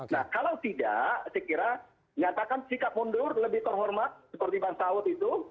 nah kalau tidak saya kira nyatakan sikap mundur lebih terhormat seperti bang saud itu